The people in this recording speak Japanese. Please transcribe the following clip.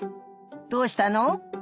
どうしたの？